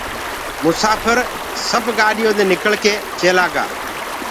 مساڦر سب گآڏيو دي نکݪ ڪي چيلآ گآ